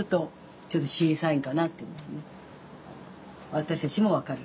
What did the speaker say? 私たちも分かる。